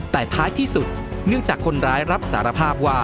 แต่ท้ายที่สุดเนื่องจากคนร้ายรับสารภาพว่า